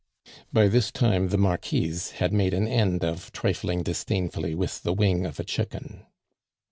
By this time the Marquise had made an end of trifling disdainfully with the wing of a chicken.